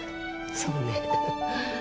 そうね。